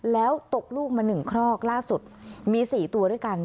แล้วตกลูกมา๑ครอกล่าสุดมี๔ตัวด้วยกัน